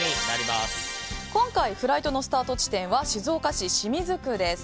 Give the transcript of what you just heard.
今回フライトのスタート地点は静岡市清水区です。